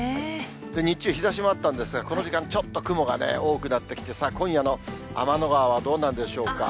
日中、日ざしもあったんですが、この時間、ちょっと雲がね、多くなってきて、さあ、今夜の天の川はどうなんでしょうか。